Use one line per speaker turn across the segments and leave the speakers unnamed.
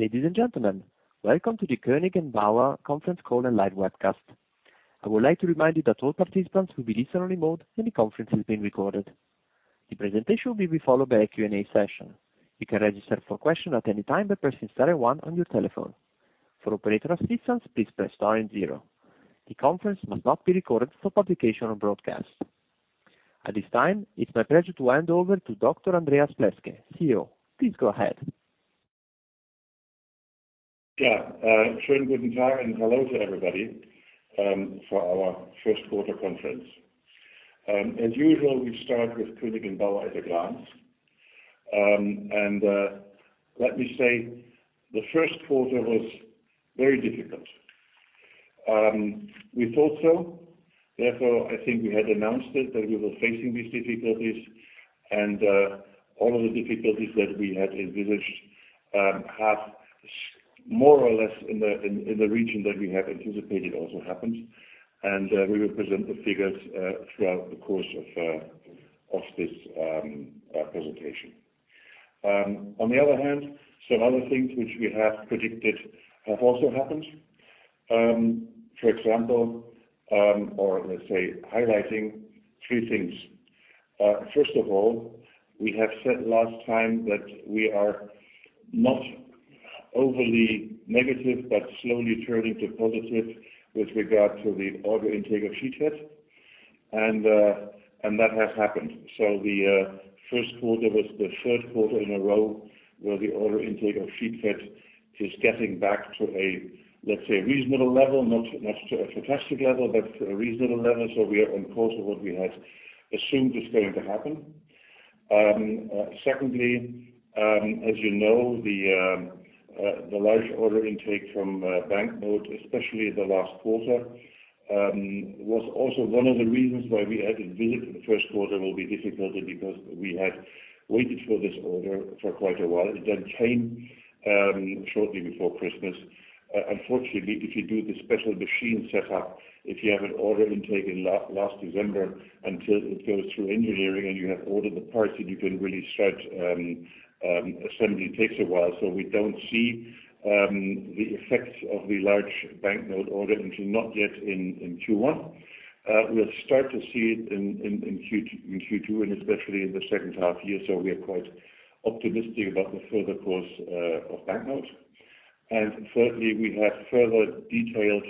Ladies and gentlemen, welcome to the Koenig & Bauer conference call and live webcast. I would like to remind you that all participants will be listen only mode and the conference is being recorded. The presentation will be followed by a Q&A session. You can register for question at any time by pressing star one on your telephone. For operator assistance, please press star and zero. The conference must not be recorded for publication or broadcast. At this time, it's my pleasure to hand over to Dr. Andreas Pleßke, CEO. Please go ahead.
Schönen guten Tag and hello to everybody, for our first quarter conference. As usual, we start with Koenig & Bauer at a glance. Let me say the first quarter was very difficult. We thought so, therefore, I think we had announced it that we were facing these difficulties, and all of the difficulties that we had envisaged have more or less in the region that we had anticipated also happened. We will present the figures throughout the course of this presentation. On the other hand, some other things which we have predicted have also happened. For example, or let's say highlighting three things. First of all, we have said last time that we are not overly negative, but slowly turning to positive with regard to the order intake of Sheetfed, that has happened. The first quarter was the third quarter in a row where the order intake of Sheetfed is getting back to a, let's say, reasonable level, not a fantastic level, but a reasonable level. We are on course of what we had assumed is going to happen. Secondly, as you know, the large order intake from banknote, especially the last quarter, was also one of the reasons why we had envisaged the first quarter will be difficult because we had waited for this order for quite a while. It then came shortly before Christmas. Unfortunately, if you do the special machine set up, if you have an order intake in last December until it goes through engineering and you have ordered the parts that you can really start, assembly takes a while. We don't see the effects of the large banknote order until not yet in Q1. We'll start to see it in Q2 and especially in the second half year. We are quite optimistic about the further course of banknote. Thirdly, we have further detailed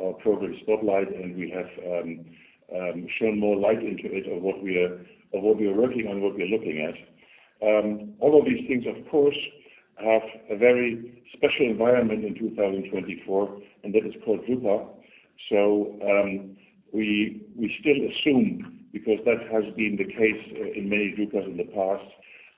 our Progress Spotlight, and we have shone more light into it of what we are working on, what we are looking at. All of these things of course, have a very special environment in 2024, that is called drupa. We still assume, because that has been the case in many drupas in the past,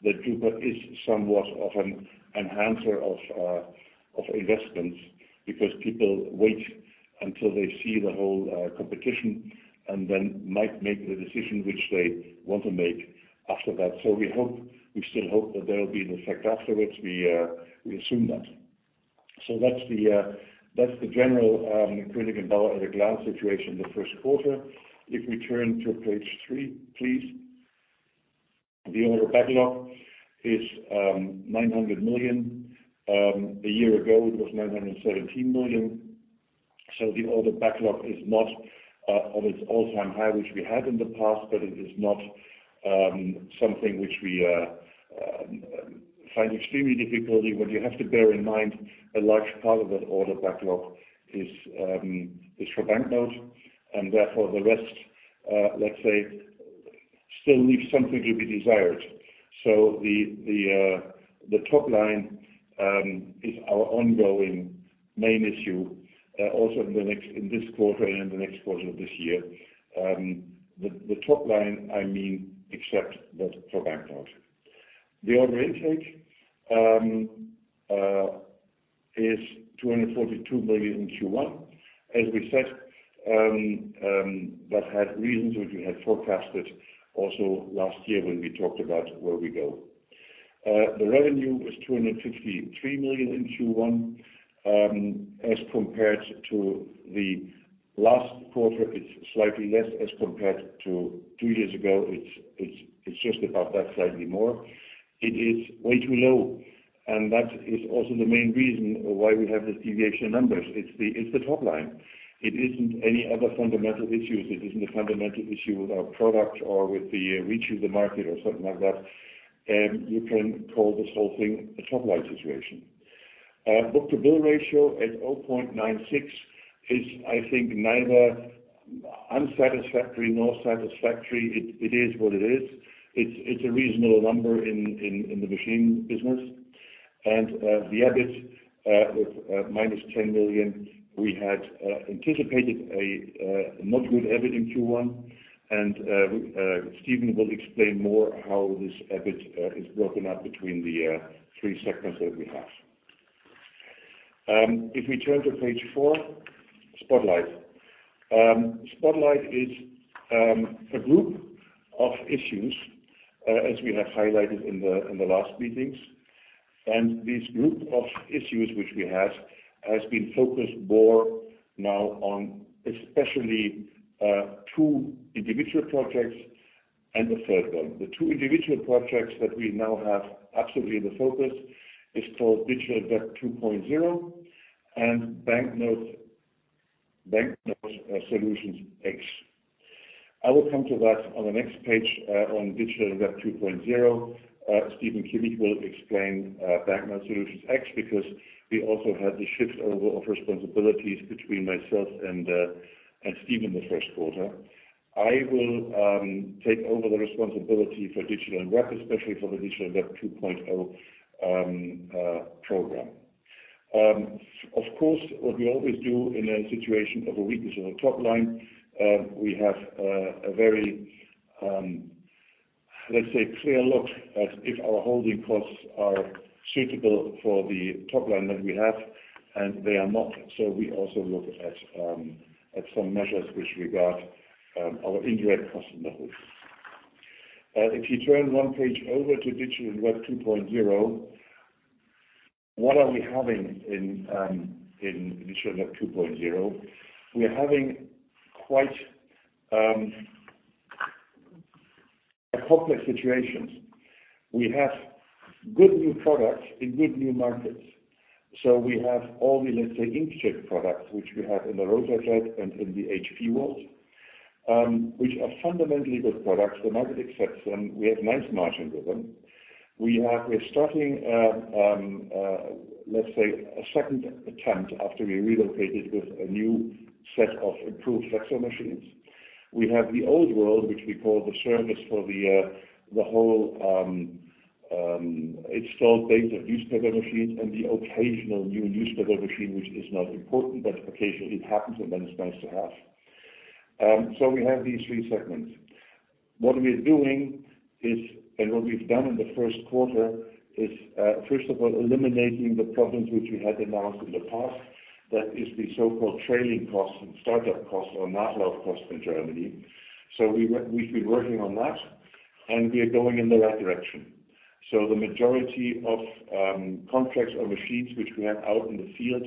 that drupa is somewhat of an enhancer of investments because people wait until they see the whole competition and then might make the decision which they want to make after that. We still hope that there will be an effect afterwards. We assume that. That's the general Koenig & Bauer at a glance situation the first quarter. If we turn to page three, please. The order backlog is 900 million. A year ago it was 917 million. The order backlog is not on its all-time high, which we had in the past, but it is not something which we find extremely difficult. What you have to bear in mind, a large part of that order backlog is for banknote, and therefore the rest let's say, still leaves something to be desired. The top line is our ongoing main issue, also in this quarter and in the next quarter of this year. The top line, I mean except that for banknote. The order intake is 242 million in Q1. As we said, that had reasons which we had forecasted also last year when we talked about where we go. The revenue was 253 million in Q1. As compared to the last quarter, it's slightly less as compared to two years ago. It's just above that slightly more. It is way too low, and that is also the main reason why we have this deviation of numbers. It's the top line. It isn't any other fundamental issues. It isn't a fundamental issue with our product or with the reach of the market or something like that. You can call this whole thing a top-line situation. book-to-bill ratio at 0.96 is, I think neither unsatisfactory nor satisfactory. It is what it is. It's a reasonable number in the machine business. The EBIT with minus 10 million, we had anticipated a not good EBIT in Q1. Steven will explain more how this EBIT is broken up between the three segments that we have. If we turn to page four, Spotlight. Spotlight is a group of issues as we have highlighted in the last meetings, and this group of issues which we have, has been focused more now on especially two individual projects. The third one. The two individual projects that we now have absolutely in the focus is called Digital Web 2.0 and Banknote Solutions X. I will come to that on the next page on Digital Web 2.0. Stephen Kimmich will explain Banknote Solutions X, because we also had the shift over of responsibilities between myself and Steven the first quarter. I will take over the responsibility for Digital & Webfed, especially for the Digital Web 2.0 program. Of course, what we always do in a situation of a weakness of a top line, we have a very, let's say, clear look at if our holding costs are suitable for the top line that we have, and they are not. We also look at some measures which regard our indirect customer costs. If you turn one page over to Digital Web 2.0, what are we having in Digital Web 2.0? We're having quite a complex situation. We have good new products in good new markets. We have all the, let's say, inkjet products, which we have in the RotaJET and in the HP world, which are fundamentally good products. The market accepts them. We have nice margin with them. We're starting, let's say, a second attempt after we relocated with a new set of improved flexo machines. We have the old world, which we call the service for the whole installed base of newspaper machines and the occasional new newspaper machine, which is not important, but occasionally it happens, and then it's nice to have. We have these three segments. What we're doing is, and what we've done in the first quarter is, first of all, eliminating the problems which we had announced in the past. That is the so-called trailing costs and startup costs or ramp-up costs in Germany. We've been working on that, and we are going in the right direction. The majority of contracts or machines which we have out in the field,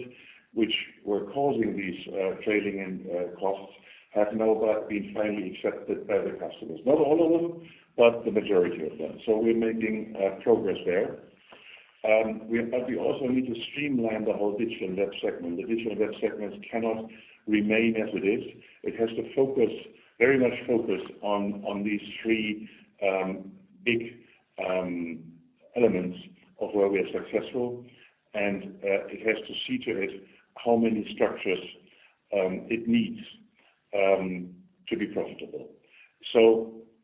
which were causing these trailing costs, have now been finally accepted by the customers. Not all of them, but the majority of them. We're making progress there. We also need to streamline the whole Digital & Webfed segment. The Digital & Webfed segment cannot remain as it is. It has to very much focus on these three big elements of where we are successful, and it has to see to it how many structures it needs to be profitable.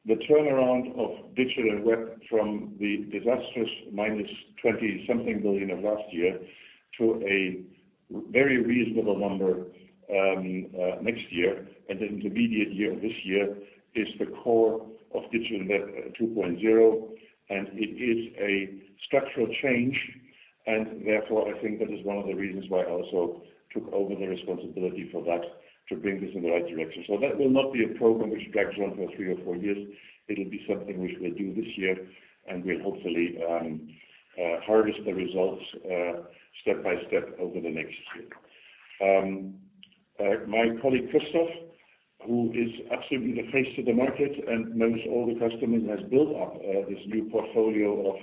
The turnaround of Digital & Webfed from the disastrous minus 20 something billion of last year to a very reasonable number next year, and the intermediate year, this year, is the core of Digital Web 2.0, and it is a structural change. Therefore, I think that is one of the reasons why I also took over the responsibility for that to bring this in the right direction. That will not be a program which drags on for three or four years. It'll be something which we'll do this year, and we'll hopefully harvest the results step by step over the next year. My colleague, Christoph, who is absolutely the face to the market and knows all the customers, has built up this new portfolio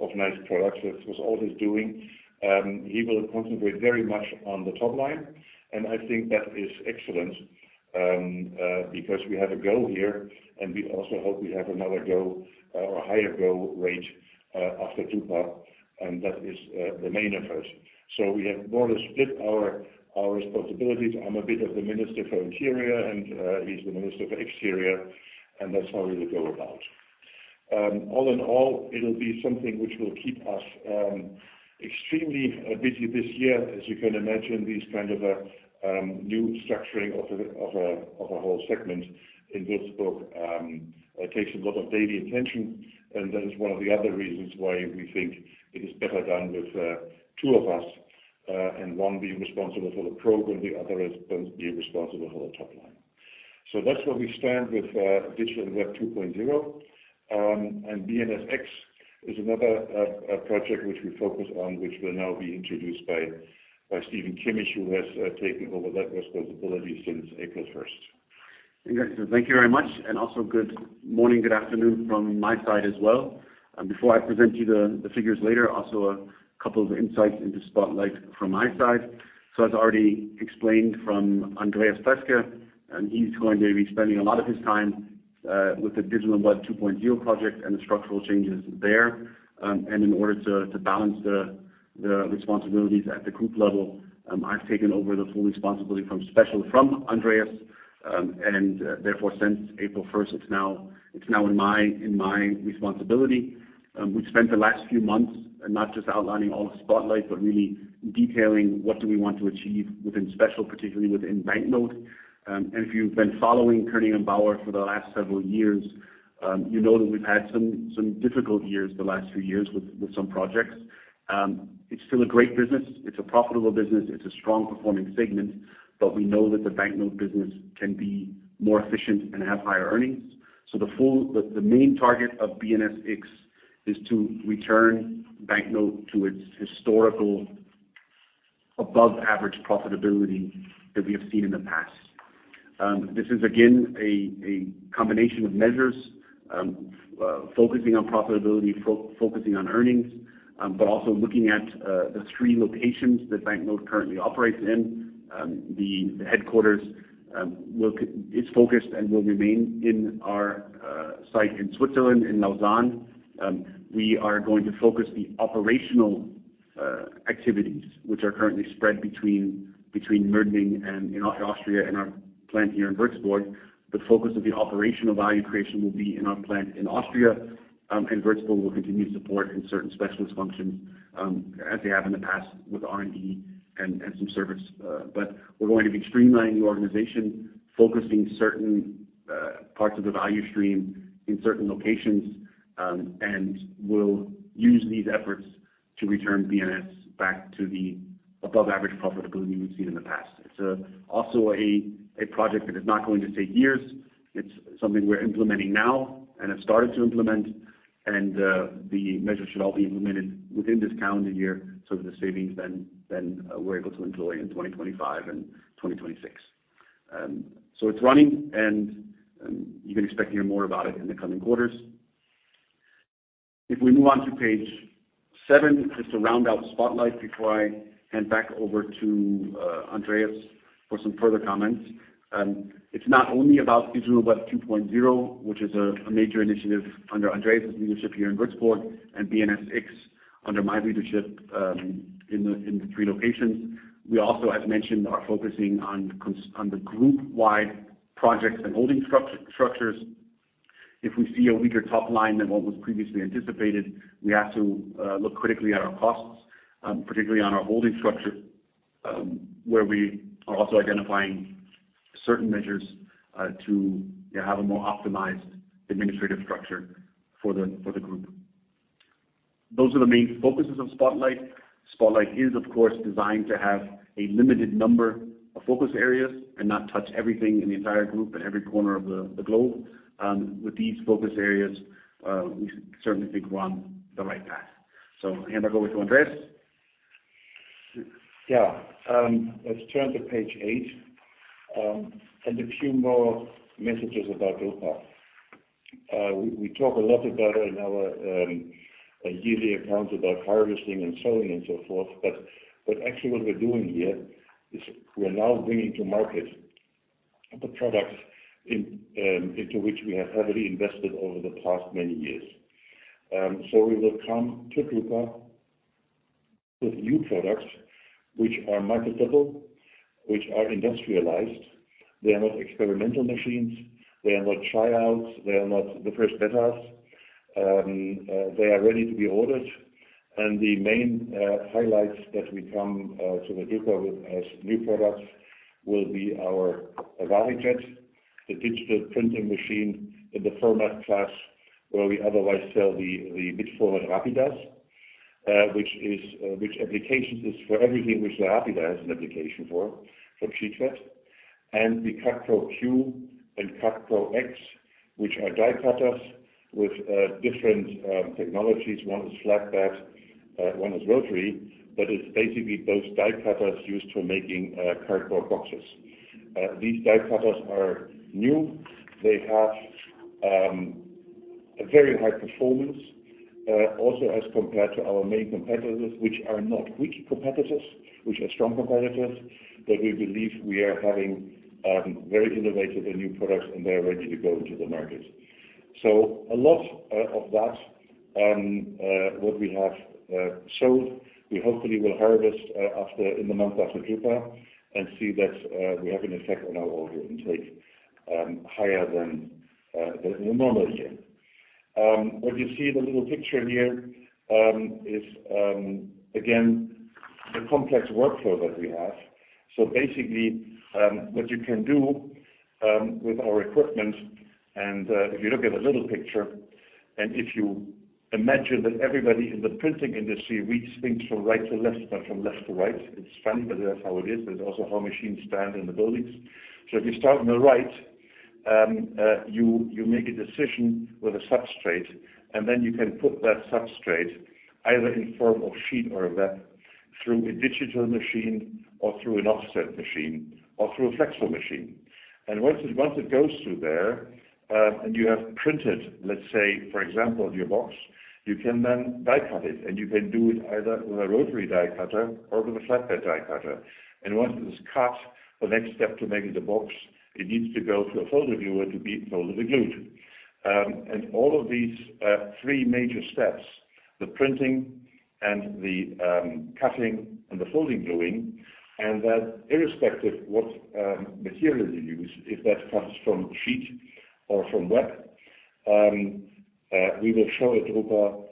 of nice products, which was all his doing. He will concentrate very much on the top line, and I think that is excellent, because we have a goal here, and we also hope we have another go or a higher go rate after drupa, and that is the main effort. We have more or less split our responsibilities. I'm a bit of the minister for interior, and he's the minister for exterior, and that's how we will go about. All in all, it'll be something which will keep us extremely busy this year. As you can imagine, this kind of a new structuring of a whole segment in this book takes a lot of daily attention, and that is one of the other reasons why we think it is better done with two of us, and one being responsible for the program, the other is going to be responsible for the top line. That's where we stand with Digital Web 2.0. BNSx is another project which we focus on, which will now be introduced by Stephen Kimmich, who has taken over that responsibility since April 1st.
Thank you very much, and also good morning, good afternoon from my side as well. Before I present you the figures later, a couple of insights into Spotlight from my side. As already explained from Andreas Pleßke, he's going to be spending a lot of his time with the Digital Web 2.0 project and the structural changes there. In order to balance the responsibilities at the group level, I've taken over the full responsibility from Special from Andreas, therefore, since April 1st, it's now in my responsibility. We've spent the last few months not just outlining all of Spotlight, but really detailing what do we want to achieve within Special, particularly within Banknote. If you've been following Koenig & Bauer for the last several years, you know that we've had some difficult years the last few years with some projects. It's still a great business. It's a profitable business. It's a strong performing segment, but we know that the Banknote business can be more efficient and have higher earnings. The main target of BNSx is to return Banknote to its historical above average profitability that we have seen in the past. This is again, a combination of measures, focusing on profitability, focusing on earnings, but also looking at the three locations that Banknote currently operates in. The headquarters is focused and will remain in our site in Switzerland, in Lausanne. We are going to focus the operational activities, which are currently spread between Mödling in Austria and our plant here in Würzburg. Focus of the operational value creation will be in our plant in Austria, and Würzburg will continue support in certain specialist functions, as they have in the past with R&D and some service. We're going to be streamlining the organization, focusing certain parts of the value stream in certain locations, and we'll use these efforts to return BNS back to the above average profitability we've seen in the past. It's also a project that is not going to take years. It's something we're implementing now and have started to implement, the measures should all be implemented within this calendar year, so that the savings then we're able to enjoy in 2025 and 2026. It's running, and you can expect to hear more about it in the coming quarters. If we move on to page seven, just to round out Spotlight before I hand back over to Andreas for some further comments. It's not only about Digital Web 2.0, which is a major initiative under Andreas' leadership here in Würzburg and BNSx, under my leadership in the three locations. We also, as mentioned, are focusing on the group-wide projects and holding structures. If we see a weaker top line than what was previously anticipated, we have to look critically at our costs, particularly on our holding structure, where we are also identifying certain measures to have a more optimized administrative structure for the group. Those are the main focuses of Spotlight. Spotlight is, of course, designed to have a limited number of focus areas and not touch everything in the entire group in every corner of the globe. With these focus areas, we certainly think we're on the right path. I hand back over to Andreas.
Yeah. Let's turn to page eight. A few more messages about drupa. We talk a lot about it in our yearly accounts, about harvesting and sowing and so forth. Actually, what we're doing here is we're now bringing to market the products into which we have heavily invested over the past many years. We will come to drupa with new products which are marketable, which are industrialized. They are not experimental machines. They are not tryouts. They are not the first betas. They are ready to be ordered. The main highlights that we come to drupa with as new products will be our VariJET, the digital printing machine in the format class, where we otherwise sell the mid-format Rapidas, which applications is for everything which the Rapida has an application for, from Sheetfed. The CutPRO Q and CutPRO X, which are die cutters with different technologies. One is flatbed, one is rotary, it's basically those die cutters used for making cardboard boxes. These die cutters are new. They have a very high performance, also as compared to our main competitors, which are not weak competitors, which are strong competitors, we believe we are having very innovative and new products, and they're ready to go into the market. A lot of that, what we have sold, we hopefully will harvest in the month after drupa and see that we have an effect on our order intake, higher than the normal year. What you see in the little picture here is, again, the complex workflow that we have. Basically, what you can do with our equipment, if you look at the little picture, if you imagine that everybody in the printing industry reads things from right to left, not from left to right. It's funny, that's how it is. That's also how machines stand in the buildings. If you start on the right, you make a decision with a substrate, then you can put that substrate either in form of sheet or a web, through a digital machine or through an offset machine or through a flexo machine. Once it goes through there, you have printed, let's say, for example, your box, you can then die cut it, and you can do it either with a rotary die cutter or with a flatbed die cutter. Once it is cut, the next step to making the box, it needs to go to a folder-gluer to be folded and glued. All of these three major steps, the printing and the cutting and the folding, gluing, and that irrespective what material you use, if that comes from sheet or from web, we will show at drupa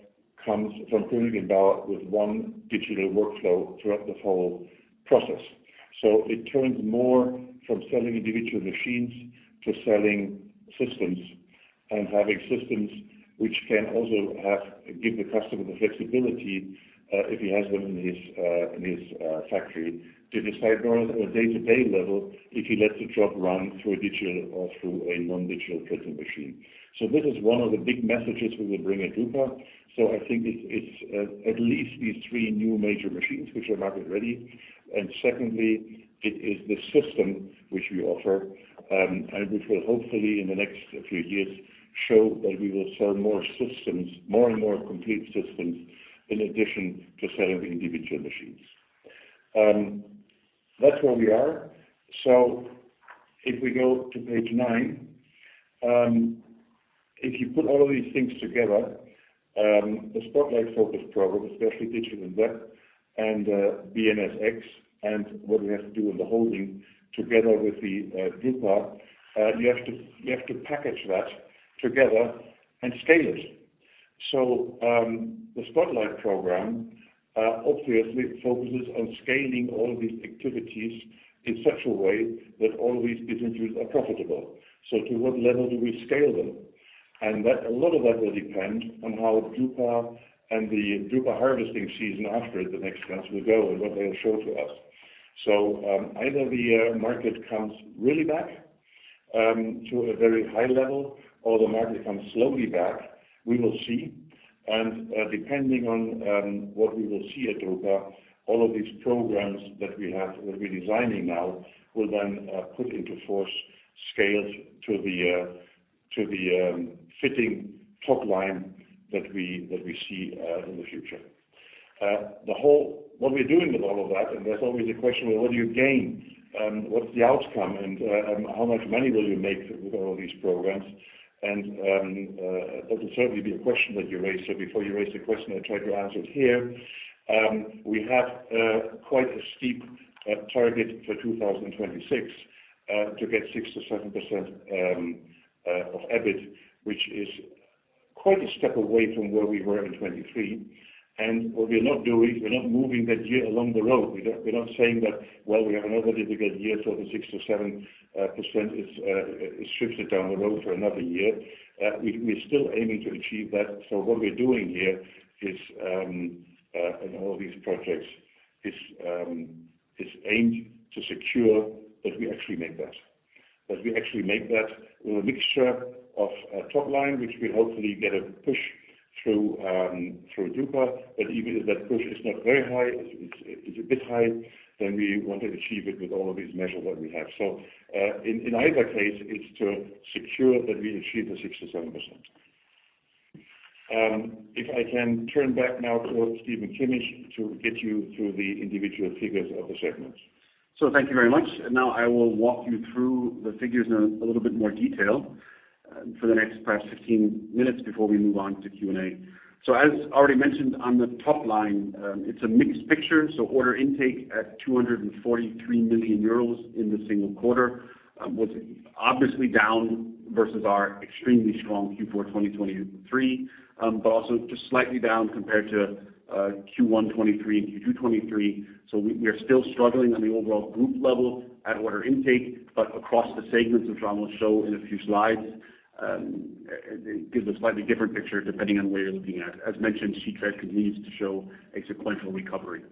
comes from Koenig & Bauer with one digital workflow throughout the whole process. It turns more from selling individual machines to selling systems having systems which can also give the customer the flexibility, if he has one in his factory, to decide on a day-to-day level, if he lets the job run through a digital or through a non-digital printing machine. This is one of the big messages we will bring at drupa. I think it's at least these three new major machines which are market ready. Secondly, it is the system which we offer, and which will hopefully in the next few years, show that we will sell more and more complete systems in addition to selling individual machines. That's where we are. If we go to page nine. If you put all of these things together, the Spotlight program, especially Digital & Webfed and the BNSx and what we have to do in the holding together with the drupa, you have to package that together and scale it. The Spotlight program obviously focuses on scaling all these activities in such a way that all these different views are profitable. To what level do we scale them? A lot of that will depend on how drupa and the drupa harvesting season after the next months will go and what they will show to us. Either the market comes really back, to a very high level, or the market comes slowly back. We will see. Depending on what we will see at drupa, all of these programs that we're designing now will then put into force scaled to the fitting top line that we see in the future. What we're doing with all of that, and there's always a question, well, what do you gain? What's the outcome? How much money will you make with all these programs? That will certainly be a question that you raise. Before you raise the question, I try to answer it here. We have quite a steep target for 2026, to get 6%-7% of EBIT, which is quite a step away from where we were in 2023. What we are not doing, we're not moving that year along the road. We're not saying that, well, we are not ready to get years of the 6%-7%, it's shifted down the road for another year. We are still aiming to achieve that. What we are doing here in all these projects is aimed to secure that we actually make that with a mixture of top line, which will hopefully get a push through drupa. Even if that push is not very high, it's a bit high, then we want to achieve it with all of these measures that we have. In either case, it's to secure that we achieve the 6%-7%. If I can turn back now to Stephen Kimmich to get you through the individual figures of the segments.
Thank you very much. Now I will walk you through the figures in a little bit more detail for the next perhaps 15 minutes before we move on to Q&A. As already mentioned on the top line, it's a mixed picture. Order intake at 243 million euros in the single quarter, was obviously down versus our extremely strong Q4 2023, but also just slightly down compared to Q1 2023 and Q2 2023. We are still struggling on the overall group level at order intake, but across the segments, which I'm going to show in a few slides, it gives a slightly different picture depending on where you're looking at. As mentioned, Sheetfed continues to show a sequential recovery.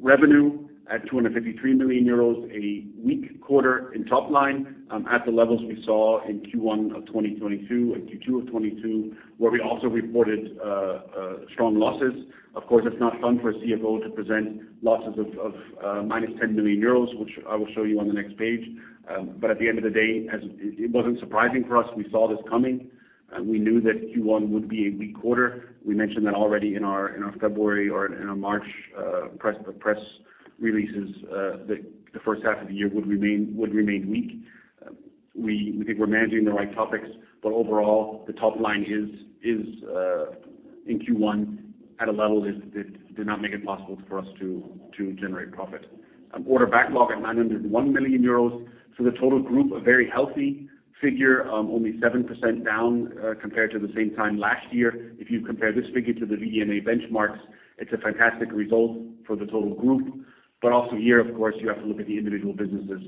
Revenue at 253 million euros, a weak quarter in top line, at the levels we saw in Q1 of 2022 and Q2 of 2022, where we also reported strong losses. Of course, it's not fun for a CFO to present losses of minus 10 million euros, which I will show you on the next page. At the end of the day, it wasn't surprising for us. We saw this coming. We knew that Q1 would be a weak quarter. We mentioned that already in our February or in our March press releases, that the first half of the year would remain weak. We think we're managing the right topics, but overall, the top line is in Q1 at a level that did not make it possible for us to generate profit. Order backlog at 901 million euros. The total group, a very healthy figure, only 7% down, compared to the same time last year. If you compare this figure to the VDMA benchmarks, it's a fantastic result for the total group. Also here, of course, you have to look at the individual businesses,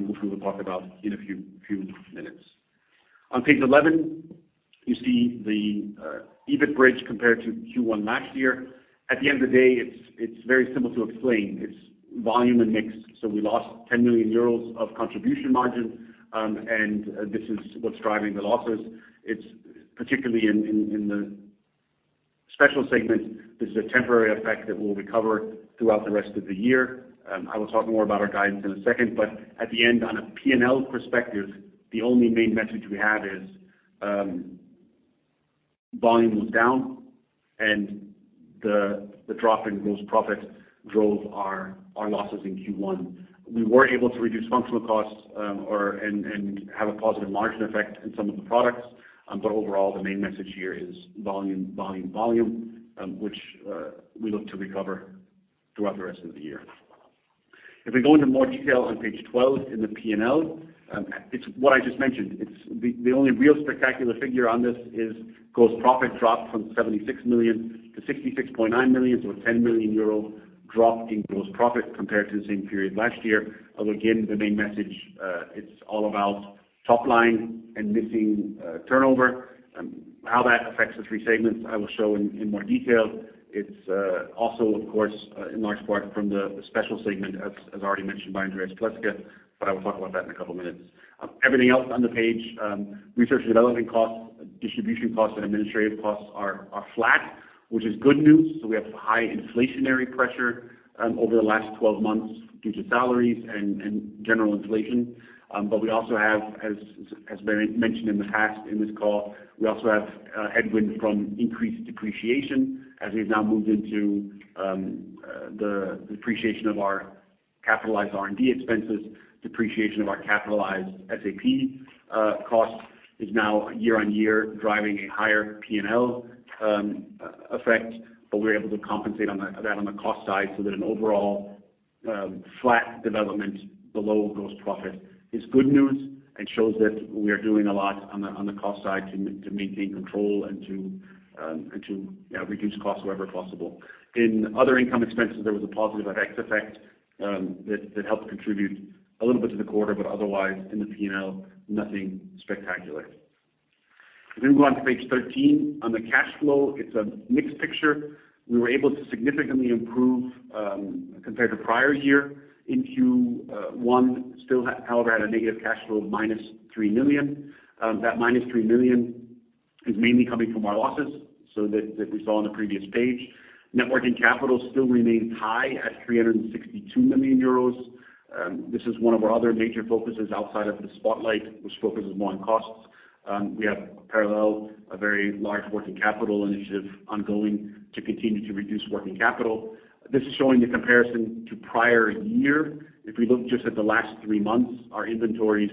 which we will talk about in a few minutes. On page 11, you see the EBIT bridge compared to Q1 last year. At the end of the day, it's very simple to explain. It's volume and mix. We lost 10 million euros of contribution margin, and this is what's driving the losses. It's particularly in the Special segment. This is a temporary effect that we'll recover throughout the rest of the year. I will talk more about our guidance in a second, but at the end, on a P&L perspective, the only main message we have is, volume was down, and the drop in gross profit drove our losses in Q1. We were able to reduce functional costs and have a positive margin effect in some of the products. Overall, the main message here is volume, volume, which we look to recover throughout the rest of the year. If we go into more detail on page 12 in the P&L, it's what I just mentioned. The only real spectacular figure on this is gross profit dropped from 76 million to 66.9 million, so a 10 million euro drop in gross profit compared to the same period last year. Again, the main message, it's all about top line and missing turnover. How that affects the three segments, I will show in more detail. It's also, of course, in large part from the Special segment, as already mentioned by Andreas Pleßke, but I will talk about that in a couple of minutes. Everything else on the page, research and development costs, distribution costs, and administrative costs are flat, which is good news. We have high inflationary pressure over the last 12 months due to salaries and general inflation. We also have, as mentioned in the past in this call, we also have headwinds from increased depreciation as we've now moved into the depreciation of our capitalized R&D expenses, depreciation of our capitalized SAP costs is now year-on-year driving a higher P&L effect, we're able to compensate on that on the cost side so that an overall flat development below gross profit is good news and shows that we are doing a lot on the cost side to maintain control and to reduce costs wherever possible. In other income expenses, there was a positive FX effect that helped contribute a little bit to the quarter, otherwise in the P&L, nothing spectacular. We go on to page 13 on the cash flow, it's a mixed picture. We were able to significantly improve, compared to prior year in Q1, still, however, had a negative cash flow of minus 3 million. That minus 3 million is mainly coming from our losses, that we saw on the previous page. Net working capital still remains high at 362 million euros. This is one of our other major focuses outside of the Spotlight, which focuses more on costs. We have parallel, a very large working capital initiative ongoing to continue to reduce working capital. This is showing the comparison to prior year. If we look just at the last three months, our inventories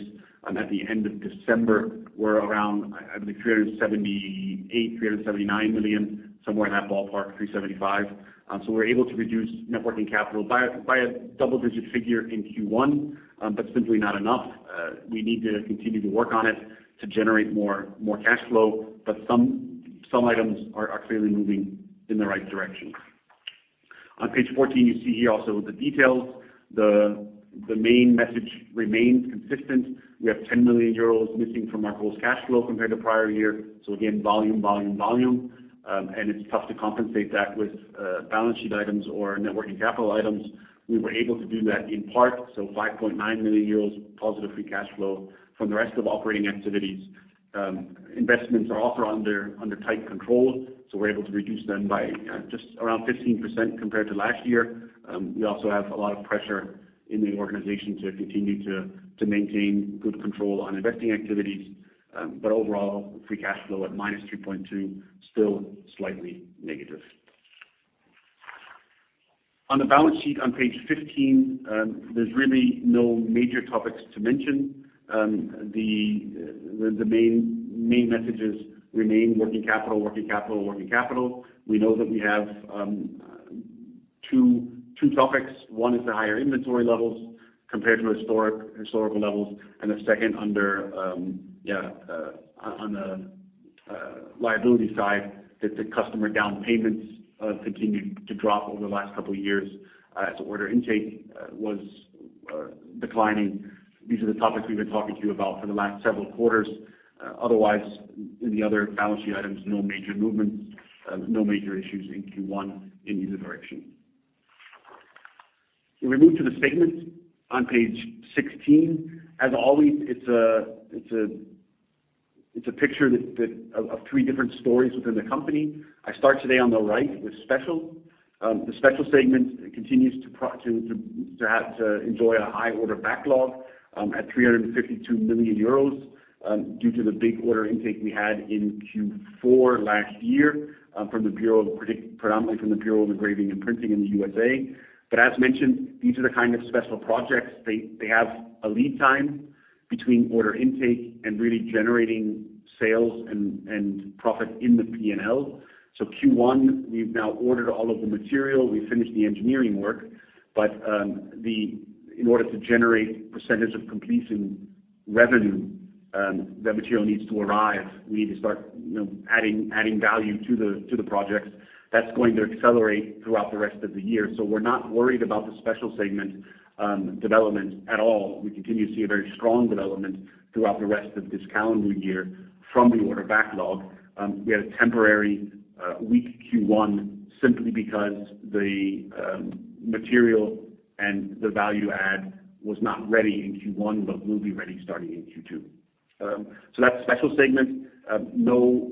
at the end of December were around, I believe, 378 million, 379 million, somewhere in that ballpark, 375. We're able to reduce net working capital by a double-digit figure in Q1, simply not enough. We need to continue to work on it to generate more cash flow, some items are clearly moving in the right direction. On page 14, you see here also the details. The main message remains consistent. We have 10 million euros missing from our gross cash flow compared to prior year. Again, volume. It's tough to compensate that with balance sheet items or net working capital items. We were able to do that in part, 5.9 million euros positive free cash flow from the rest of operating activities. Investments are also under tight control, we're able to reduce them by just around 15% compared to last year. We also have a lot of pressure in the organization to continue to maintain good control on investing activities. Overall, free cash flow at minus 3.2, still slightly negative. On the balance sheet on page 15, there is really no major topics to mention. The main messages remain working capital. We know that we have two topics. One is the higher inventory levels compared to historical levels, and the second on the liability side that the customer down payments continued to drop over the last couple of years as order intake was declining. These are the topics we have been talking to you about for the last several quarters. Otherwise, in the other balance sheet items, no major movements, no major issues in Q1 in either direction. If we move to the statements on page 16, as always, it is a picture of three different stories within the company. I start today on the right with Special. The Special segment continues to enjoy a high order backlog at 352 million euros due to the big order intake we had in Q4 last year predominantly from the Bureau of Engraving and Printing in the USA. As mentioned, these are the kind of Special projects. They have a lead time between order intake and really generating sales and profit in the P&L. Q1, we have now ordered all of the material, we finished the engineering work. In order to generate percentage of completion revenue, that material needs to arrive. We need to start adding value to the projects. That is going to accelerate throughout the rest of the year. We are not worried about the Special segment development at all. We continue to see a very strong development throughout the rest of this calendar year from the order backlog. We had a temporary weak Q1 simply because the material and the value add was not ready in Q1, but will be ready starting in Q2. That Special segment, no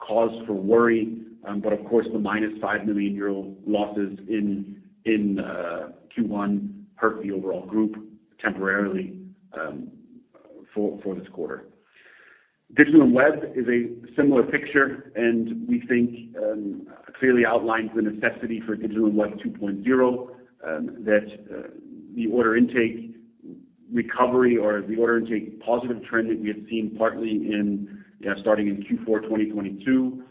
cause for worry. Of course, the minus 5 million euro losses in Q1 hurt the overall group temporarily for this quarter. Digital & Webfed is a similar picture, and we think clearly outlines the necessity for Digital & Webfed 2.0, that the order intake recovery or the order intake positive trend that we had seen partly starting in Q4 2022.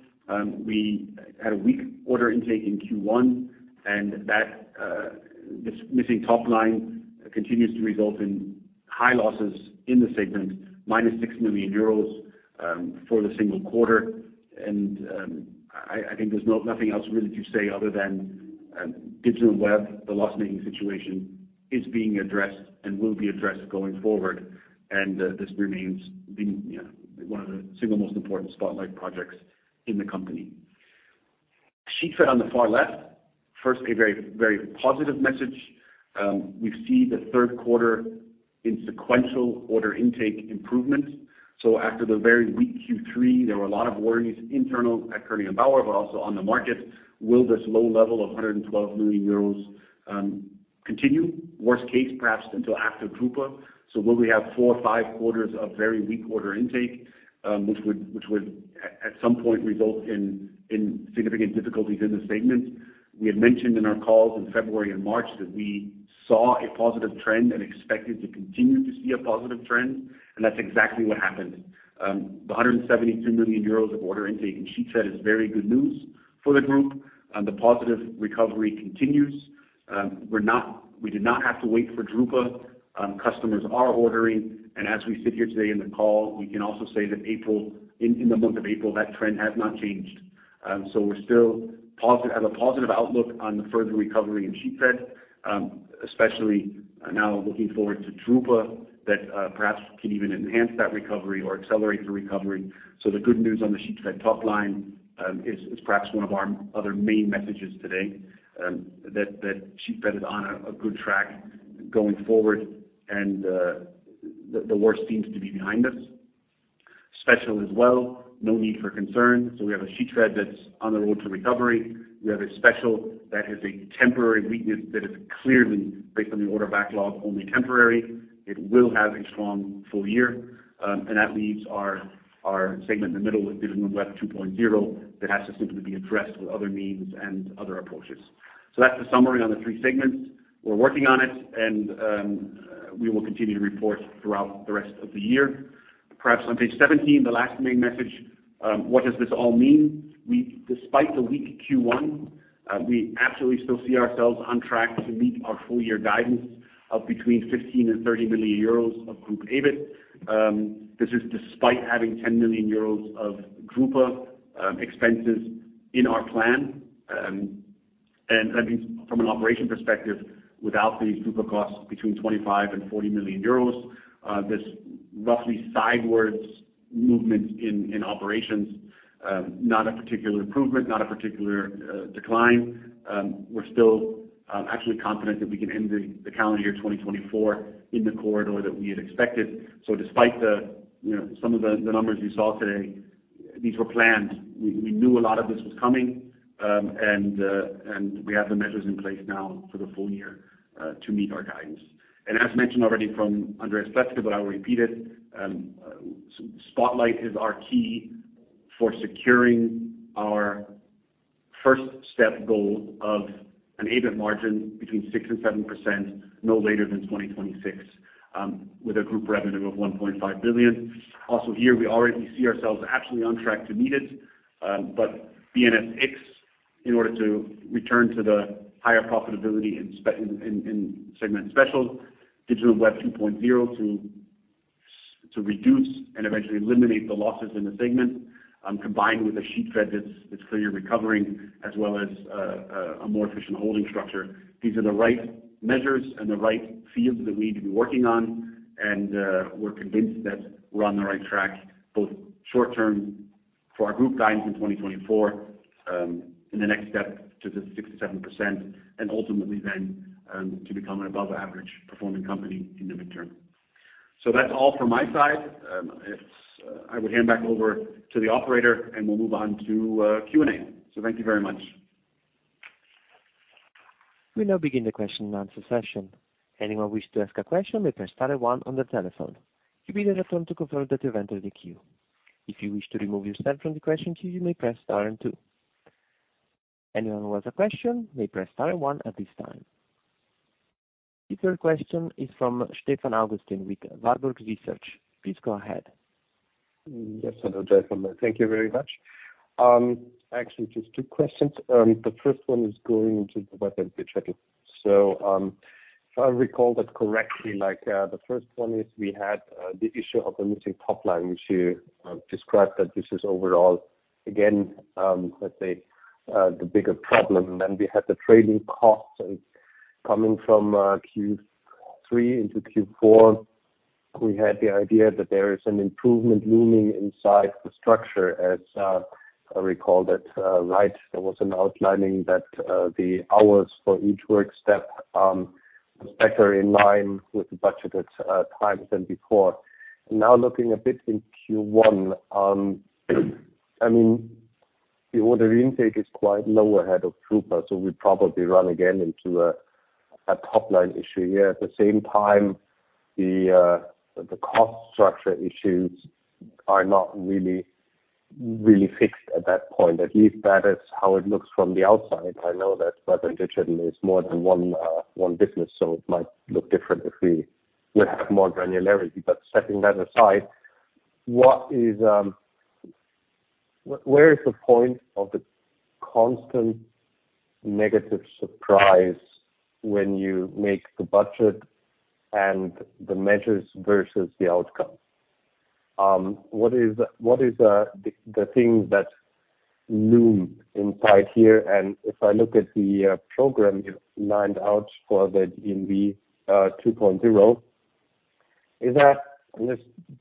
We had a weak order intake in Q1, and that missing top line continues to result in high losses in the segment, minus 6 million euros for the single quarter. I think there is nothing else really to say other than Digital Web, the loss-making situation is being addressed and will be addressed going forward, and this remains one of the single most important Spotlight projects in the company. Sheetfed on the far left. First, a very positive message. We see the third quarter in sequential order intake improvements. After the very weak Q3, there were a lot of worries internal at Koenig & Bauer, but also on the market. Will this low level of 112 million euros continue? Worst case, perhaps until after drupa. Will we have four or five quarters of very weak order intake, which would at some point result in significant difficulties in the segment? We had mentioned in our calls in February and March that we saw a positive trend and expected to continue to see a positive trend, and that's exactly what happened. The 172 million euros of order intake in Sheetfed is very good news for the Group, and the positive recovery continues. We did not have to wait for drupa. Customers are ordering, and as we sit here today in the call, we can also say that in the month of April, that trend has not changed. We still have a positive outlook on the further recovery in Sheetfed, especially now looking forward to drupa, that perhaps can even enhance that recovery or accelerate the recovery. The good news on the Sheetfed top line is perhaps one of our other main messages today, that Sheetfed is on a good track going forward and the worst seems to be behind us. Special as well, no need for concern. We have a Sheetfed that's on the road to recovery. We have a Special that has a temporary weakness that is clearly based on the order backlog, only temporary. It will have a strong full year. That leaves our segment in the middle with Digital Web 2.0 that has to simply be addressed with other means and other approaches. That's the summary on the three segments. We're working on it and we will continue to report throughout the rest of the year. Perhaps on page 17, the last main message, what does this all mean? Despite the weak Q1, we absolutely still see ourselves on track to meet our full year guidance of between 15 million and 30 million euros of Group EBIT. This is despite having 10 million euros of drupa expenses in our plan. From an operation perspective, without these drupa costs between 25 million and 40 million euros, this roughly sidewards movement in operations, not a particular improvement, not a particular decline. We're still actually confident that we can end the calendar year 2024 in the corridor that we had expected. Despite some of the numbers you saw today, these were planned. We knew a lot of this was coming, and we have the measures in place now for the full year, to meet our guidance. As mentioned already from Andreas Pleßke, but I'll repeat it, Spotlight is our key for securing our first-step goal of an EBIT margin between 6%-7%, no later than 2026, with a Group revenue of 1.5 billion. Also here, we already see ourselves absolutely on track to meet it. BNSx, in order to return to the higher profitability in segment Special, Digital Web 2.0 to reduce and eventually eliminate the losses in the segment, combined with a Sheetfed that's clearly recovering as well as a more efficient holding structure. These are the right measures and the right fields that we need to be working on, and we're convinced that we're on the right track, both short term for our Group guidance in 2024, in the next step to the 6%-7%, and ultimately then to become an above-average performing company in the midterm. That's all from my side. I would hand back over to the operator, and we'll move on to Q&A. Thank you very much.
We now begin the question and answer session. Anyone who wishes to ask a question may press star one on their telephone. You'll be asked to confirm that you've entered the queue. If you wish to remove yourself from the question queue, you may press star and two. Anyone who has a question may press star one at this time. The third question is from Stefan Augustin with Warburg Research. Please go ahead.
Yes, hello, gentlemen. Thank you very much. Just two questions. The first one is going to the Web & Digital. If I recall that correctly, the first one is we had the issue of the missing top line, which you described that this is overall again, let's say, the bigger problem. We had the trailing costs coming from Q3 into Q4. We had the idea that there is an improvement looming inside the structure as I recall that, right? There was an outlining that the hours for each work step are better in line with the budgeted time than before. Looking a bit in Q1, the order intake is quite low ahead of drupa, so we probably run again into a top-line issue here. At the same time, the cost structure issues are not really fixed at that point. At least that is how it looks from the outside. I know that Web & Digital is more than one business, so it might look different if we would have more granularity. Setting that aside, where is the point of the constant negative surprise when you make the budget and the measures versus the outcome? What is the thing that looms inside here? If I look at the program you've lined out for the D&W 2.0,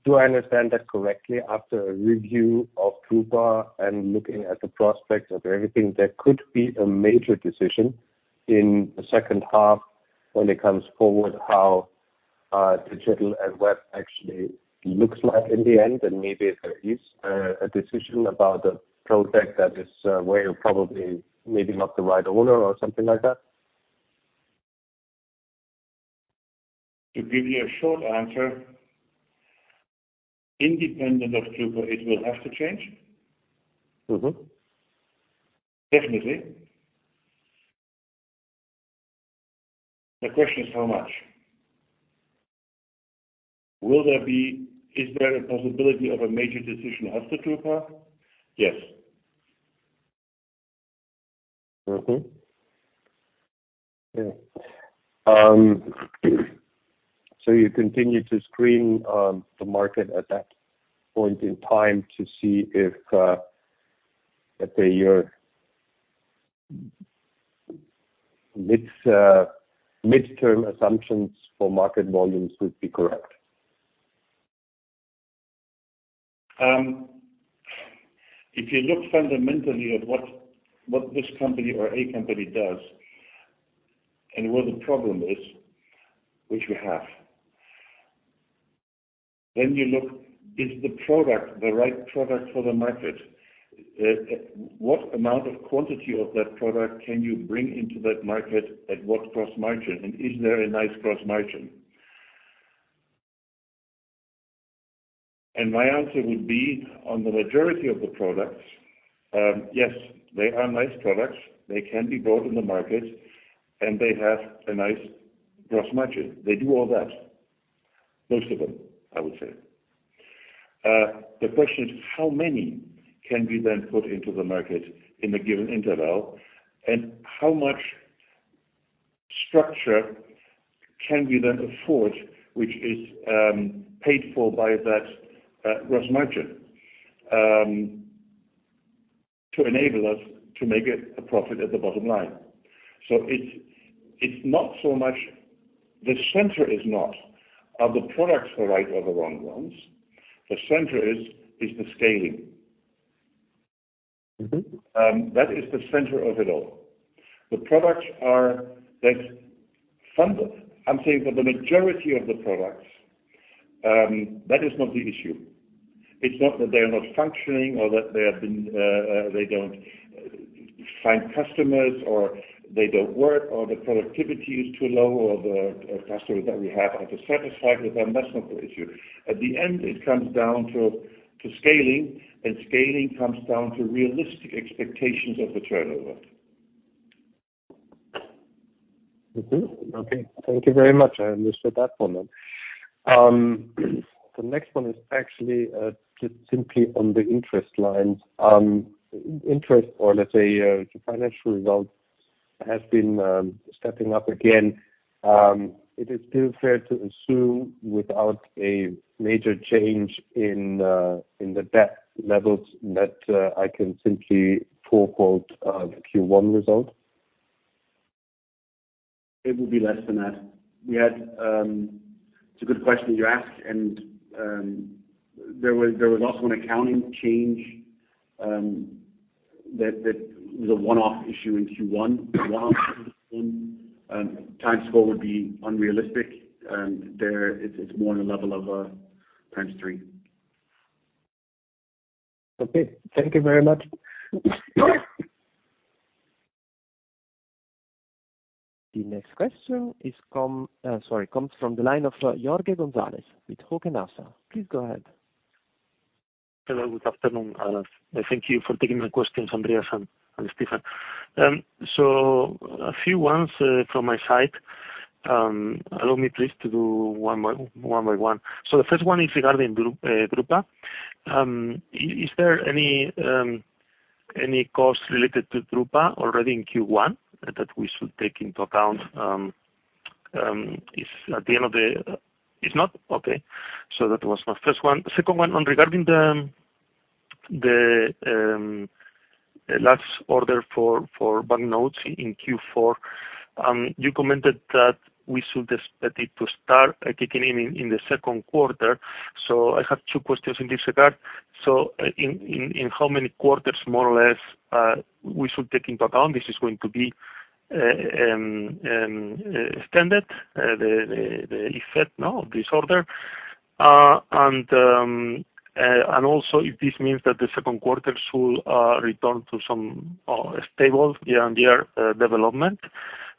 do I understand that correctly? After a review of drupa and looking at the prospects of everything, there could be a major decision in the second half when it comes forward, how digital and web actually looks like in the end, and maybe if there is a decision about the ProTech that is where you're probably maybe not the right owner or something like that.
To give you a short answer, independent of drupa, it will have to change. Definitely. The question is how much. Is there a possibility of a major decision after drupa? Yes.
You continue to screen the market at that point in time to see if, let's say, your midterm assumptions for market volumes would be correct.
If you look fundamentally at what this company or a company does and where the problem is, which we have, then you look, is the product the right product for the market? What amount of quantity of that product can you bring into that market, at what gross margin, and is there a nice gross margin? My answer would be on the majority of the products, yes, they are nice products. They can be brought in the market, and they have a nice gross margin. They do all that, most of them, I would say. The question is, how many can be then put into the market in a given interval, and how much structure can we then afford, which is paid for by that gross margin, to enable us to make a profit at the bottom line? The center is not, are the products the right or the wrong ones? The center is the scaling. That is the center of it all. The products are I'm saying for the majority of the products, that is not the issue. It's not that they are not functioning or that they don't find customers, or they don't work, or the productivity is too low, or the customers that we have aren't satisfied with them. That's not the issue. At the end, it comes down to scaling, and scaling comes down to realistic expectations of the turnover.
Mm-hmm. Okay. Thank you very much. I understood that one then. The next one is actually just simply on the interest lines. Interest or, let's say, the financial results have been stepping up again. It is still fair to assume, without a major change in the debt levels, that I can simply forequote the Q1 result?
It will be less than that. It's a good question you ask. There was also an accounting change that was a one-off issue in Q1. One-off times four would be unrealistic. It's more on a level of times three.
Okay. Thank you very much.
The next question comes from the line of Jorge Gonzalez with Hauck Aufhäuser. Please go ahead.
Hello. Good afternoon. Thank you for taking my questions, Andreas and Stefan. A few ones from my side. Allow me, please, to do one by one. The first one is regarding drupa. Is there any cost related to drupa already in Q1 that we should take into account? If not, okay. That was my first one. Second one regarding the last order for banknotes in Q4. You commented that we should expect it to start kicking in in the second quarter. I have two questions in this regard. In how many quarters, more or less, we should take into account this is going to be extended, the effect of this order? Also, if this means that the second quarter should return to some stable year-on-year development?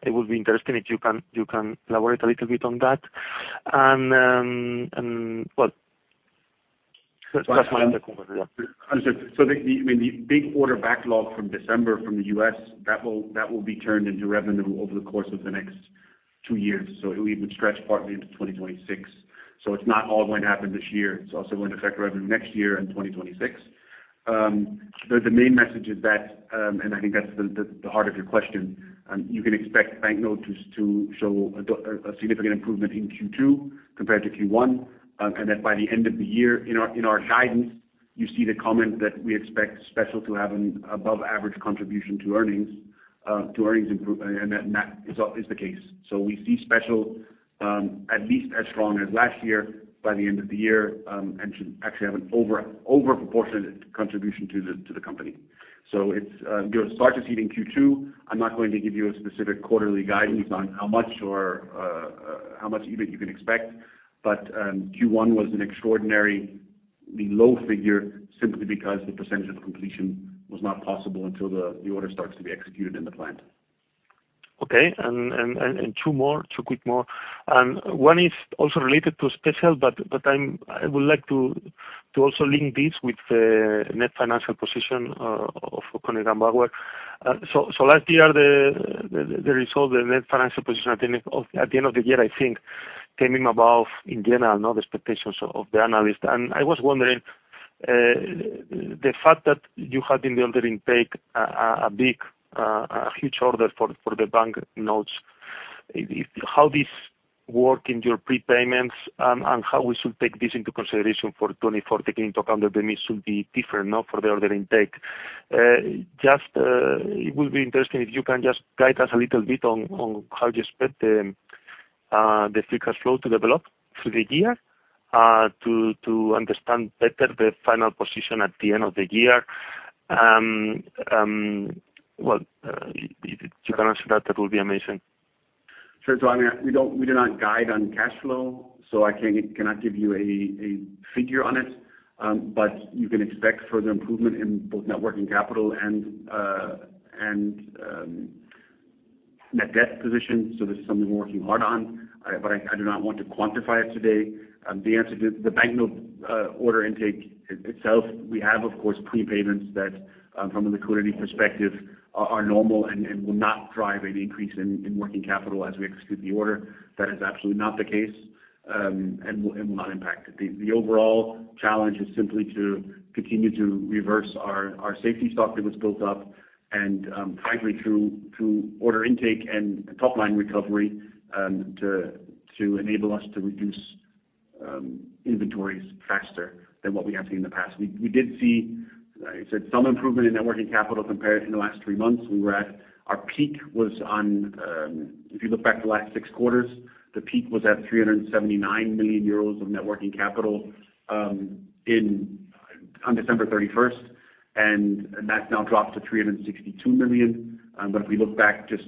It would be interesting if you can elaborate a little bit on that. Well, that's my other question.
The big order backlog from December from the U.S., that will be turned into revenue over the course of the next two years. It would stretch partly into 2026. It's not all going to happen this year. It's also going to affect revenue next year and 2026. The main message is that, and I think that's the heart of your question, you can expect banknote to show a significant improvement in Q2 compared to Q1, and that by the end of the year, in our guidance, you see the comment that we expect Special to have an above-average contribution to earnings improvement, and that is the case. We see Special at least as strong as last year by the end of the year and should actually have an overproportionate contribution to the company. It starts in Q2. I'm not going to give you a specific quarterly guidance on how much you can expect, but Q1 was an extraordinarily low figure simply because the percentage of completion was not possible until the order starts to be executed in the plant.
Okay, two quick more. One is also related to Special, but I would like to also link this with the net financial position of Koenig & Bauer. Last year, the result, the net financial position at the end of the year, I think, came in above, in general, the expectations of the analyst. I was wondering, the fact that you had in the order intake a big, huge order for the banknotes. How this work in your prepayments, and how we should take this into consideration for 2024, taking into account that they may should be different now for the order intake. It will be interesting if you can just guide us a little bit on how you expect the free cash flow to develop through the year to understand better the final position at the end of the year. If you can answer that will be amazing.
François, we do not guide on cash flow, I cannot give you a figure on it. You can expect further improvement in both net working capital and net debt position. This is something we're working hard on, I do not want to quantify it today. The answer to the banknote order intake itself, we have, of course, prepayments that, from a liquidity perspective, are normal and will not drive any increase in working capital as we execute the order. That is absolutely not the case and will not impact it. The overall challenge is simply to continue to reverse our safety stock that was built up and primarily through order intake and top-line recovery to enable us to reduce inventories faster than what we have seen in the past. We did see some improvement in net working capital compared to the last three months. If you look back the last six quarters, the peak was at 379 million euros of net working capital on December 31st, and that's now dropped to 362 million. If we look back just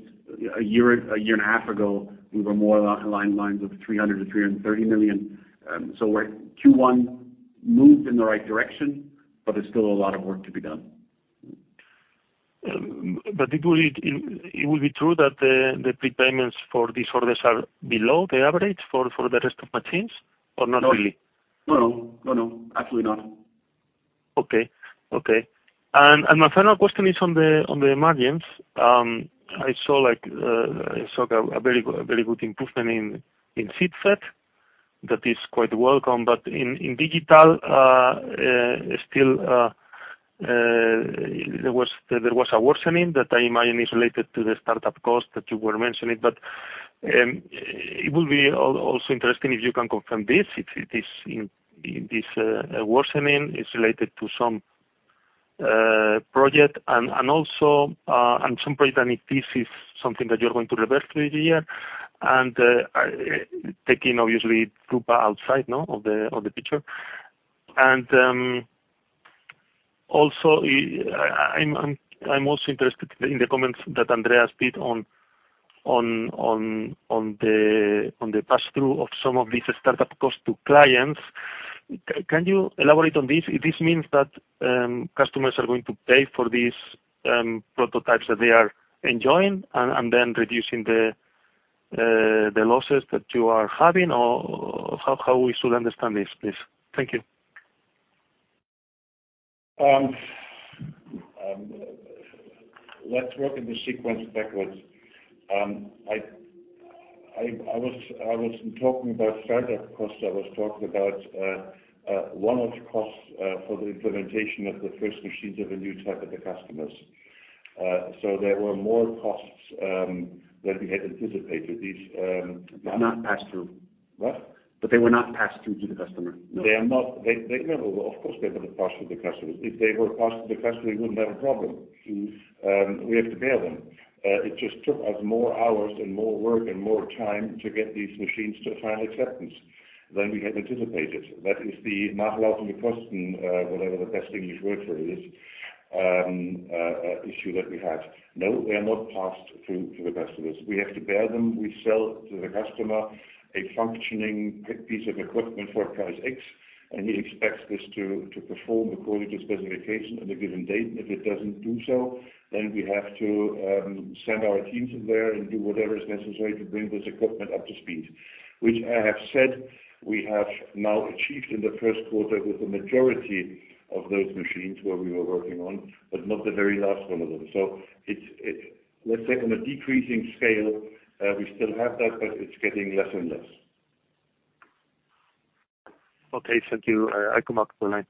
a year and a half ago, we were more along the lines of 300 million to 330 million. Q1 moved in the right direction, there's still a lot of work to be done.
It will be true that the prepayments for these orders are below the average for the rest of machines, or not really?
No. Absolutely not.
Okay. My final question is on the margins. I saw a very good improvement in Sheetfed. That is quite welcome. In Digital, still there was a worsening that I imagine is related to the startup cost that you were mentioning. It will be also interesting if you can confirm this, if this worsening is related to some project, and some point, if this is something that you're going to reverse through the year, and taking, obviously, group outside of the picture. I'm also interested in the comments that Andreas did on the passthrough of some of these startup costs to clients. Can you elaborate on this? This means that customers are going to pay for these prototypes that they are enjoying and then reducing the losses that you are having, or how we should understand this, please? Thank you.
Let's work in the sequence backwards. I was talking about startup costs. I was talking about one-off costs for the implementation of the first machines of a new type at the customers. There were more costs than we had anticipated.
These were not passed through.
What?
They were not passed through to the customer. No.
Of course, they were not passed to the customers. If they were passed to the customer, we wouldn't have a problem. We have to bear them. It just took us more hours and more work and more time to get these machines to final acceptance than we had anticipated. That is the whatever the best English word for it is, issue that we had. They are not passed through to the customers. We have to bear them. We sell to the customer a functioning piece of equipment for price X, he expects this to perform according to specification on a given date. If it doesn't do so, then we have to send our teams there and do whatever is necessary to bring this equipment up to speed, which I have said we have now achieved in the first quarter with the majority of those machines where we were working on, but not the very last one of them. Let's say on a decreasing scale, we still have that, but it's getting less and less.
Thank you. I come back online.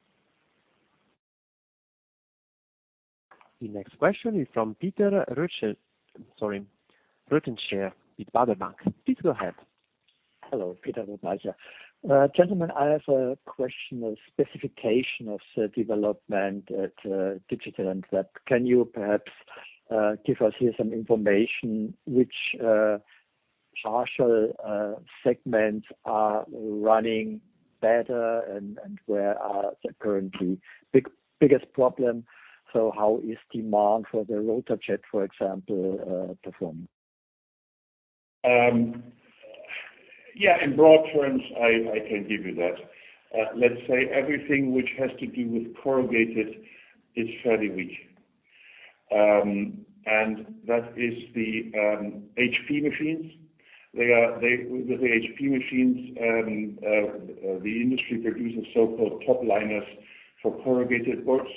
The next question is from Peter Rötzer with Baader Bank. Please go ahead.
Hello. Peter with Baader Bank. Gentlemen, I have a question of specification of development at Digital & Webfed. Can you perhaps give us here some information which partial segments are running better and where are the currently biggest problem? How is demand for the RotaJET, for example, performing?
Yeah. In broad terms, I can give you that. Let's say everything which has to do with corrugated is fairly weak. That is the HP machines. With the HP machines, the industry produces so-called top liners for corrugated boards.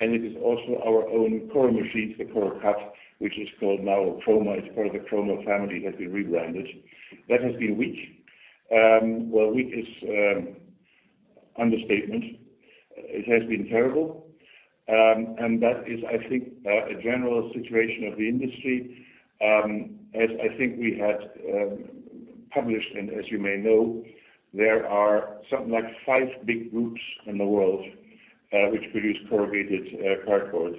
It is also our own core machines, the CorruCUT, which is called now Chroma. It is part of the Chroma family, has been rebranded. That has been weak. Well, weak is understatement. It has been terrible. That is, I think, a general situation of the industry. As I think we had published, and as you may know, there are something like five big groups in the world, which produce corrugated cardboards,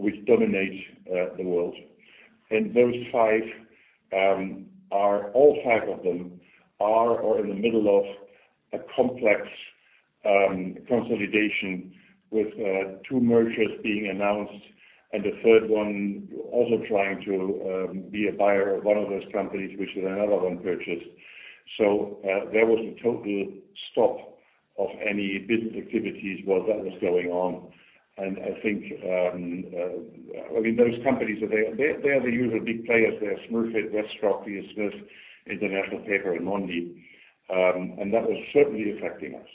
which dominate the world. Those five, all five of them are or in the middle of a complex consolidation with two mergers being announced and a third one also trying to be a buyer of one of those companies, which is another one purchased. There was a total stop of any business activities while that was going on. I think, those companies, they are the usual big players. They are Smurfit, WestRock, International Paper, and Mondi. That was certainly affecting us.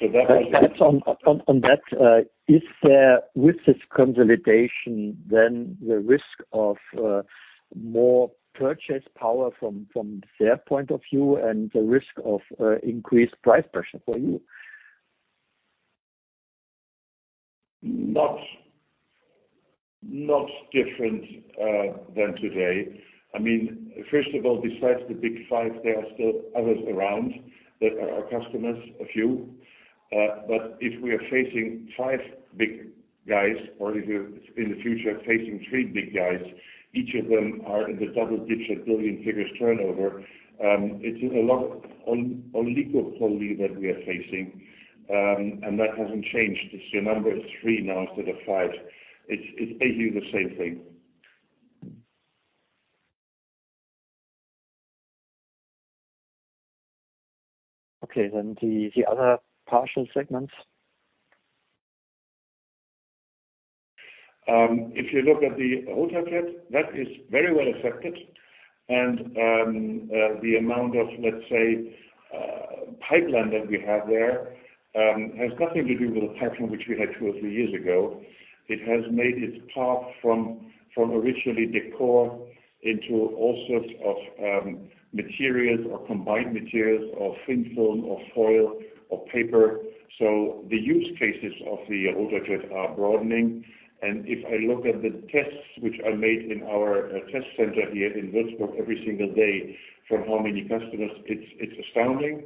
On that, is there, with this consolidation, the risk of more purchase power from their point of view and the risk of increased price pressure for you?
Not different than today. First of all, besides the big five, there are still others around that are our customers, a few. If we are facing five big guys or if you're, in the future, facing three big guys, each of them are in the double-digit billion EUR figures turnover. It is a lot of oligopoly that we are facing. That hasn't changed. The number is three now instead of five. It's basically the same thing.
Okay. The other partial segments?
If you look at the RotaJET, that is very well accepted and the amount of, let's say, pipeline that we have there, has nothing to do with the pipeline which we had two or three years ago. It has made its path from originally decor into all sorts of materials or combined materials or thin film or foil or paper. The use cases of the RotaJET are broadening. If I look at the tests, which are made in our test center here in Würzburg every single day from how many customers, it's astounding.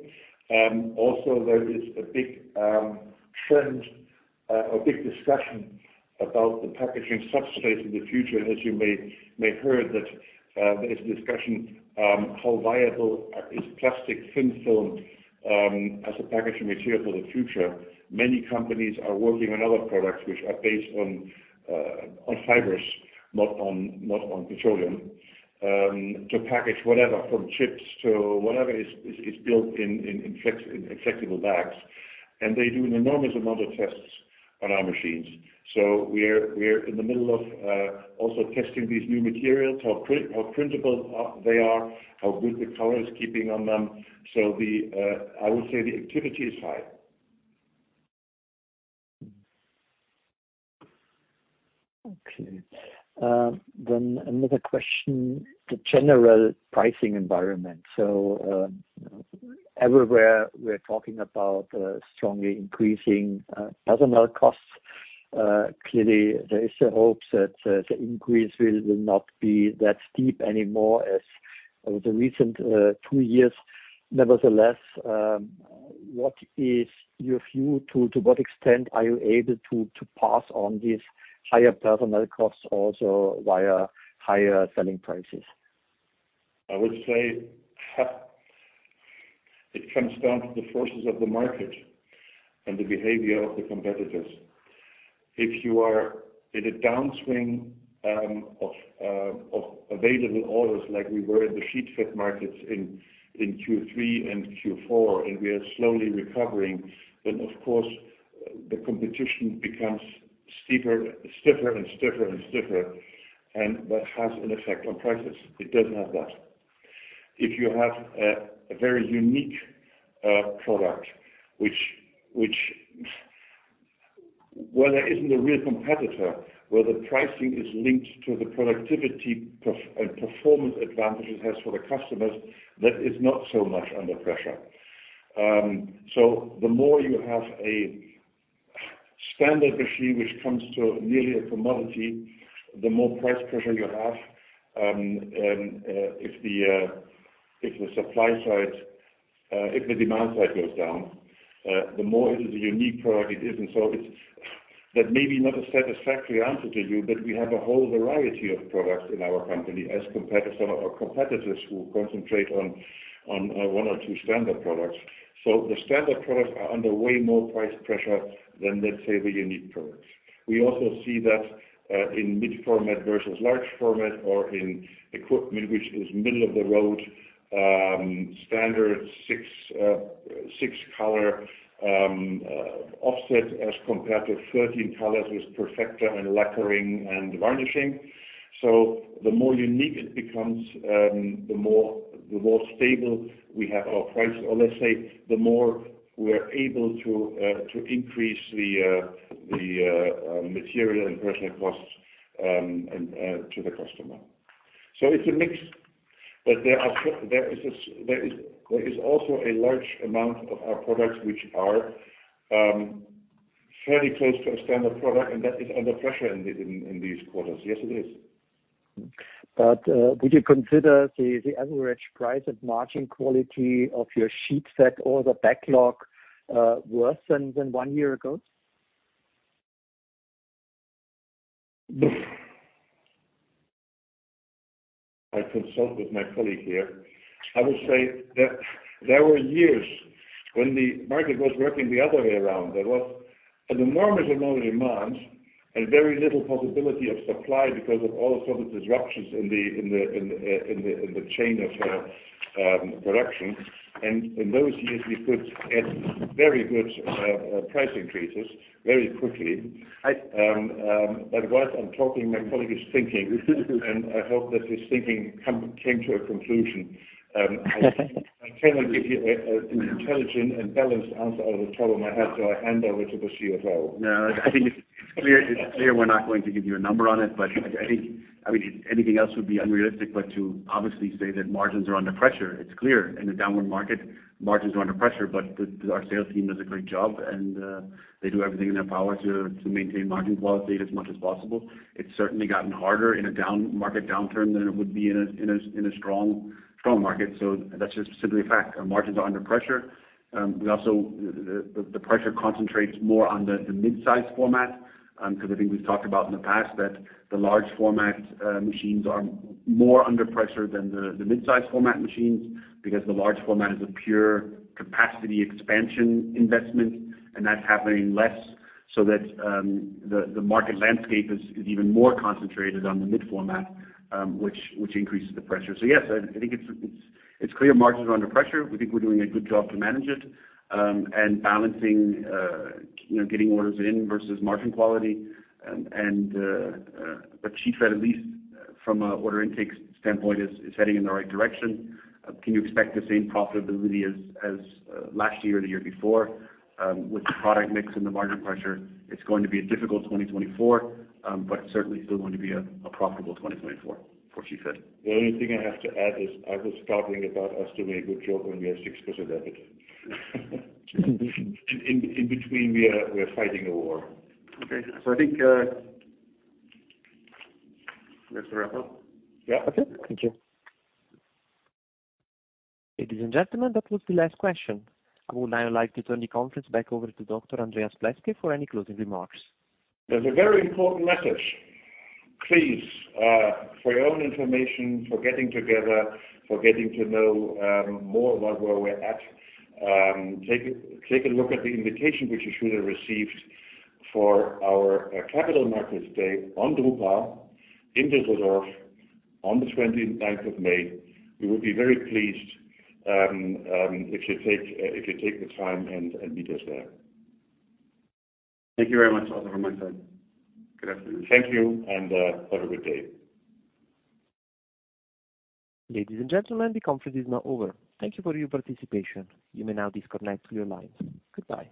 Also, there is a big trend, a big discussion about the packaging substrate of the future. As you may have heard that there is a discussion, how viable is plastic thin film as a packaging material for the future? Many companies are working on other products, which are based on fibers, not on petroleum, to package whatever, from chips to whatever is built in flexible bags. They do an enormous amount of tests on our machines. We are in the middle of also testing these new materials, how printable they are, how good the color is keeping on them. I would say the activity is high.
Okay. Another question. The general pricing environment. Everywhere we're talking about strongly increasing personnel costs. Clearly, there is a hope that the increase will not be that steep anymore as the recent two years. Nevertheless, what is your view? To what extent are you able to pass on these higher personnel costs also via higher selling prices?
I would say it comes down to the forces of the market and the behavior of the competitors. If you are in a downswing of available orders like we were in the Sheetfed markets in Q3 and Q4, and we are slowly recovering, then of course, the competition becomes stiffer and stiffer, and that has an effect on prices. It does have that. If you have a very unique product, where there isn't a real competitor, where the pricing is linked to the productivity and performance advantage it has for the customers, that is not so much under pressure. The more you have a standard machine which comes to nearly a commodity, the more price pressure you have. If the supply side, the demand side goes down, the more it is a unique product it is. That may be not a satisfactory answer to you, but we have a whole variety of products in our company as compared to some of our competitors who concentrate on one or two standard products. The standard products are under way more price pressure than, let's say, the unique products. We also see that in mid-format versus large format, or in equipment which is middle of the road, standard six color offset as compared to 13 colors with perfector and lacquering and varnishing. The more unique it becomes, the more stable we have our price, or let's say, the more we're able to increase the material and personal costs to the customer. It's a mix, but there is also a large amount of our products which are fairly close to a standard product, and that is under pressure in these quarters. Yes, it is.
Would you consider the average price and margin quality of your Sheetfed or the backlog worse than one year ago?
I consult with my colleague here. I would say that there were years when the market was working the other way around. There was an enormous amount of demand and very little possibility of supply because of all sorts of disruptions in the chain of production. In those years, we could get very good price increases very quickly. Whilst I'm talking, my colleague is thinking, and I hope that his thinking came to a conclusion. I cannot give you an intelligent and balanced answer out of the top of my head, I hand over to the CFO.
I think it's clear we're not going to give you a number on it, I think anything else would be unrealistic but to obviously say that margins are under pressure. It's clear. In a downward market, margins are under pressure. Our sales team does a great job, and they do everything in their power to maintain margin quality as much as possible. It's certainly gotten harder in a market downturn than it would be in a strong market. That's just simply a fact. Our margins are under pressure. The pressure concentrates more on the mid-size format, I think we've talked about in the past that the large format machines are more under pressure than the mid-size format machines, the large format is a pure capacity expansion investment, and that's happening less. That the market landscape is even more concentrated on the mid format, which increases the pressure. Yes, I think it's clear margins are under pressure. We think we're doing a good job to manage it, and balancing getting orders in versus margin quality. Sheetfed, at least from an order intake standpoint, is heading in the right direction. Can you expect the same profitability as last year or the year before? With the product mix and the margin pressure, it's going to be a difficult 2024, but certainly still going to be a profitable 2024 for Sheetfed.
The only thing I have to add is I was talking about us doing a good job on we have 6% EBIT. In between, we are fighting a war.
Okay.
I think let's wrap up.
Yeah.
Okay. Thank you.
Ladies and gentlemen, that was the last question. I would now like to turn the conference back over to Dr. Andreas Pleßke for any closing remarks.
There's a very important message. Please, for your own information, for getting together, for getting to know more about where we're at, take a look at the invitation, which you should have received for our Capital Markets Day on drupa in Düsseldorf on the 29th of May. We would be very pleased if you take the time and meet us there.
Thank you very much also from my side. Good afternoon.
Thank you, and have a good day.
Ladies and gentlemen, the conference is now over. Thank you for your participation. You may now disconnect your lines. Goodbye.